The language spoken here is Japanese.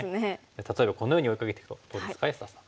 例えばこのように追いかけていくとどうですか安田さん。